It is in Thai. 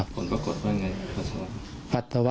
ผลปรากฏว่าไงปัสสาวะ